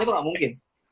itu enggak mungkin